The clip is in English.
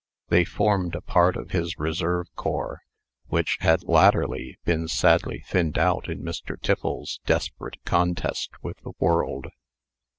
They formed a part of his reserve corps, which had latterly been sadly thinned out in Mr. Tiffles's desperate contest with the world.